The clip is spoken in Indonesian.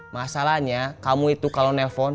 masalahnya kamu itu kalau nelfon